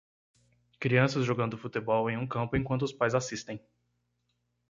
Crianças jogando futebol em um campo enquanto os pais assistem.